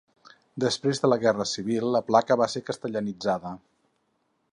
Després de la guerra civil la placa va ser castellanitzada.